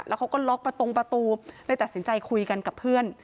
แล้วเขาก็ล็อกประตงประตูเลยตัดสินใจคุยกันกับเพื่อน